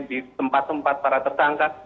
di tempat tempat para tersangka